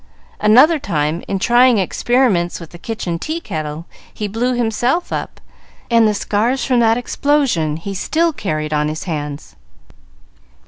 Another time, in trying experiments with the kitchen tea kettle, he blew himself up, and the scars of that explosion he still carried on his hands.